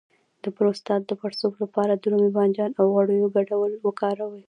د پروستات د پړسوب لپاره د رومي بانجان او غوړیو ګډول وکاروئ